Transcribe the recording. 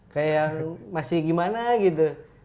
kayak masih gimana gitu